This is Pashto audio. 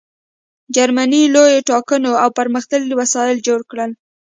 جرمني لوی ټانکونه او پرمختللي وسایل جوړ کړل